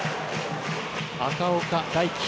赤岡大暉。